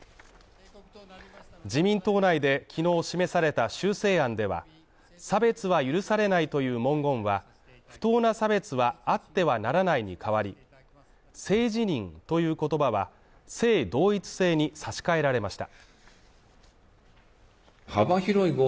自民党内で昨日示された修正案では、差別は許されないという文言は不当な差別はあってはならないに変わり、性自認という言葉は、性同一性に差し替えられました。